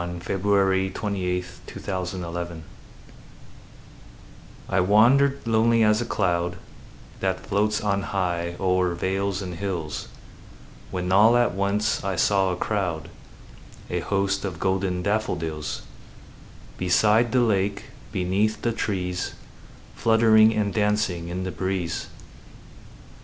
William Wordsworth I Wandered Lonely As a Cloud I WANDERED lonely as a cloud That floats on high o'er vales and hills, When all at once I saw a crowd, A host, of golden daffodils; Beside the lake, beneath the trees, Fluttering and dancing in the breeze.